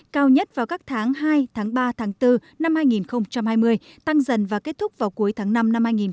cao nhất vào các tháng hai tháng ba tháng bốn năm hai nghìn hai mươi tăng dần và kết thúc vào cuối tháng năm năm hai nghìn hai mươi